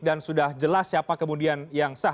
dan sudah jelas siapa kemudian yang sah